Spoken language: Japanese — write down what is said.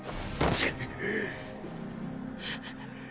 くっ。